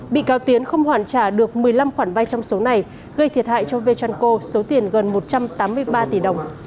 bị cao tiến không hoàn trả được một mươi năm khoản vai trong số này gây thiệt hại cho v tranco số tiền gần một trăm tám mươi ba tỷ đồng